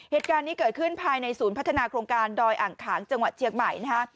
เหตุการณ์นี้เกิดขึ้นภายในศูนย์พัฒนาโครงการดอยอ่างขางจังหวัดเชียงใหม่นะฮะ